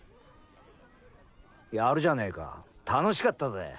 やるじゃねぇか楽しかったぜ。